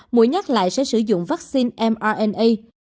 mũi nhắc lại sẽ sử dụng vaccine mrna